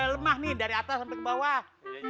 lemah nih dari atas sampai ke bawah